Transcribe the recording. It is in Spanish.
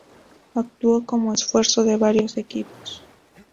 Actuó como refuerzo de varios equipos.